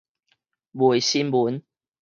賣新聞